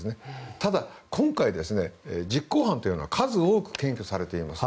ただ、今回実行犯というのは数多くが検挙されています。